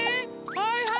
はいはい。